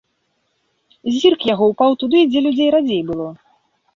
Зірк яго ўпаў туды, дзе людзей радзей было.